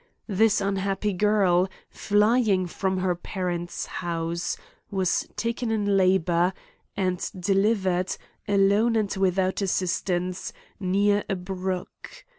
This unhappy girl, flying from her parents house, was taken in labour, and X 162 A COMMENTARY ON delivered, alone and without assistance, near a brook.